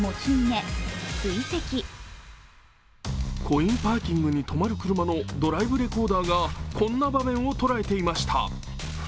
コインパーキングに止まる車のドライブレコーダーがこんな場面を捉えていました。